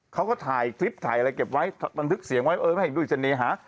เขาก็ถ่ายคลิปถ่ายอะไรเก็บไว้บันทึกเสียงไว้เออไม่ให้ดูเสน่หา